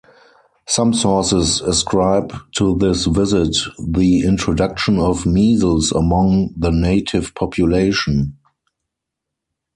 Some sources ascribe to this visit the introduction of measles among the native population.